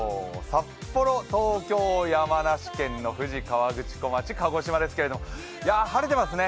札幌、東京、山梨県の富士河口湖町、鹿児島ですけれども、晴れてますね